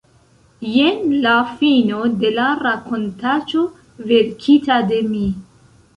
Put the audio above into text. Jen la fino de la rakontaĉo verkita de mi.